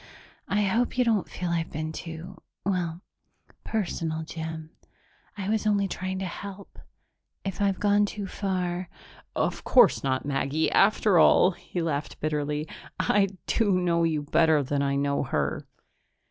I hope you don't feel I've been too well, personal, Jim. I was only trying to help. If I've gone too far...." "Of course not, Maggie. After all " he laughed bitterly "I do know you better than I know her."